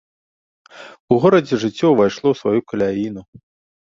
У горадзе жыццё ўвайшло ў сваю каляіну.